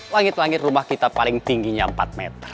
langit langit rumah kita paling tingginya empat meter